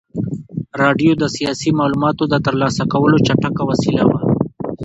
راډیو د سیاسي معلوماتو د ترلاسه کولو چټکه وسیله وه.